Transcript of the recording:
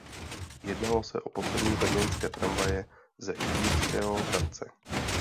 Jednalo se o poslední brněnské tramvaje ze Štýrského Hradce.